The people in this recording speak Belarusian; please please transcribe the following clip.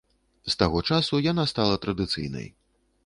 З таго часу яна стала традыцыйнай.